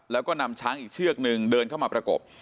แล้วก็นำช้างอีกเชือกนึงเดินเข้ามาประกบ